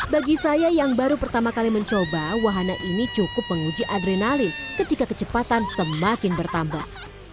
bagi saya yang baru pertama kali mencoba wahana ini cukup menguji adrenalin ketika kecepatan semakin bertambah